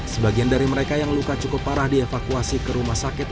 sebagian dari mereka yang luka cukup parah dievakuasi ke rumah sakit